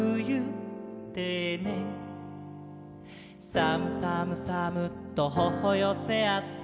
「さむさむさむっとほほよせあって」